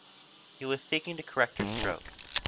He was seeking to correct her stroke.